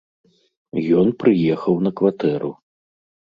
Ён прыехаў на кватэру.